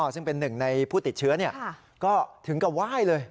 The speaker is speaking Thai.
ซึ่งเป็นหนึ่งในผู้ติดเชื้อก็ถึงกับไหว้เลย